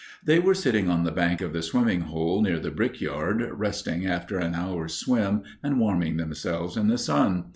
They were sitting on the bank of the swimming hole near the brickyard, resting after an hour's swim and warming themselves in the sun.